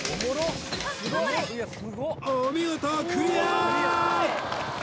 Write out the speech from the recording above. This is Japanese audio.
お見事クリア！